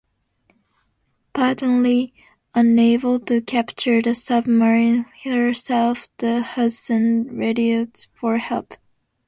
Patently unable to capture the submarine herself, the Hudson radioed for help.